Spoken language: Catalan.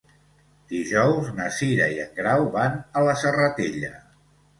Dijous na Cira i en Grau van a la Serratella.